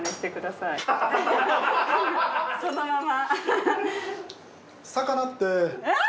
そのまま。